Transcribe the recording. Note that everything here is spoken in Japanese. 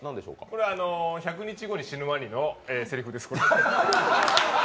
これは「１００日後に死ぬワニ」のせりふです。